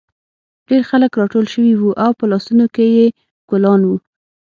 ډېر خلک راټول شوي وو او په لاسونو کې یې ګلان وو